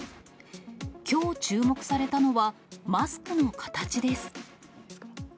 きょう、注目されたのは、マスクの形です。